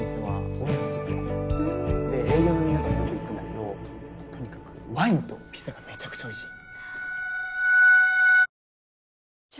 で営業のみんなと飲みに行くんだけどとにかくワインとピザがめちゃくちゃ美味しい。